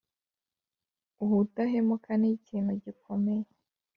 ubudahemuka ni kintu gikomeye